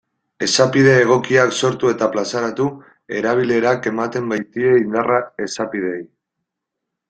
Esapide egokiak sortu eta plazaratu, erabilerak ematen baitie indarra esapideei.